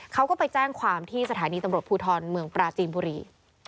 เขาก็ไปแจ้งความที่สถานีตำรวจภูทรเมืองปราจีนบุรี